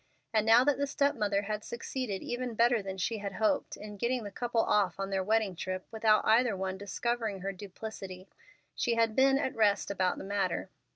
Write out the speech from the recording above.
And now that the step mother had succeeded even better than she had hoped, in getting the couple off on their wedding trip without either one discovering her duplicity, she had been at rest about the matter.